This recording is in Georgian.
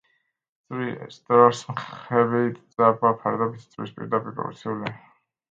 ძვრის დროს მხები ძაბვა ფარდობითი ძვრის პირდაპირპროპორციულია.